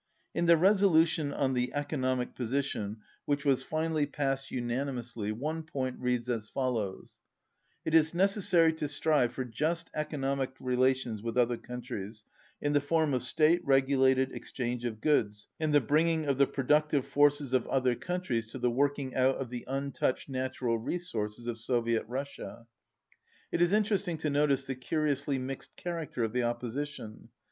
In the resolution on the economic position which 163 was finally passed unanimously, one point reads as follows: "It is necessary to strive for just economic relations with other countries in the form of state regulated exchange of goods and the bring ing of the productive forces of other countries to the working out of the untouched natural resources of Soviet Russia." It is interesting to notice the curiously mixed character of the opposition.